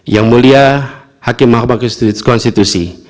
yang mulia hakim mahkamah konstitusi